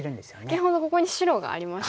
先ほどここに白がありましたよね。